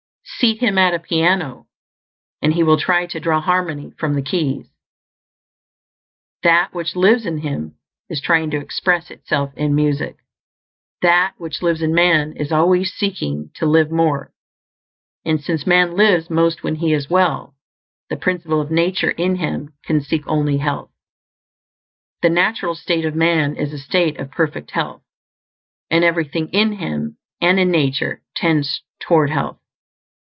Seat him at a piano, and he will try to draw harmony from the keys; That which lives in him is trying to express Itself in music. That which lives in man is always seeking to live more; and since man lives most when he is well, the Principle of Nature in him can seek only health. The natural state of man is a state of perfect health; and everything in him, and in nature, tends toward health.